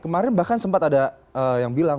kemarin bahkan sempat ada yang bilang